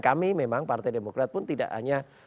kami memang partai demokrat pun tidak hanya